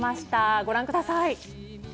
ご覧ください。